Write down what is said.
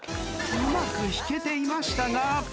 うまく弾けていましたが。